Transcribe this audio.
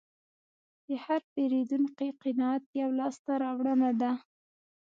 د هر پیرودونکي قناعت یوه لاسته راوړنه ده.